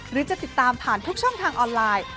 หรือจะติดตามผ่านทุกช่องทางออนไลน์